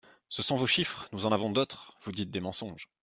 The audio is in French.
Ce sont vos chiffres ! Nous en avons d’autres !Vous dites des mensonges.